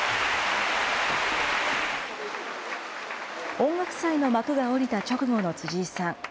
音楽祭の幕が下りた直後の辻井さん。